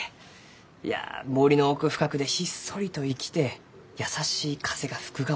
いや森の奥深くでひっそりと生きて優しい風が吹くがを待つ。